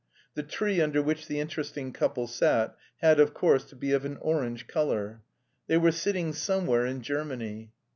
The tree under which the interesting couple sat had of course to be of an orange colour. They were sitting somewhere in Germany.